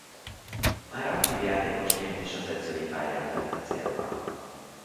Már aktív játékosként is az edzői pályát vette célba.